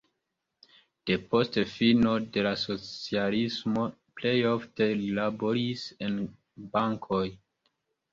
Depost fino de la socialismo plej ofte li laboris en bankoj.